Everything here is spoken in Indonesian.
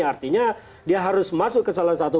artinya dia harus masuk ke salah satu